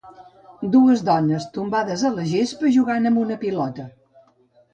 Dues dones tombades a la gespa jugant amb una pilota.